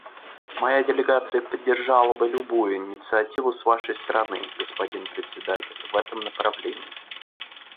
Моя делегация поддержала бы любую инициативу с Вашей стороны, господин Председатель, в этом направлении.